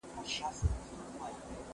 زما د خاطراتو کتابچه نيمه سوځېدلې وه.